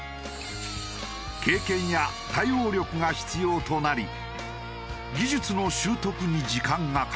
経験や対応力が必要となり技術の習得に時間がかかる。